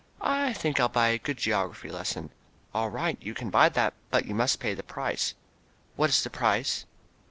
"I think I'll buy a good geography lesson." "All right, you can buy that, but you must pay the price." "What is the price?"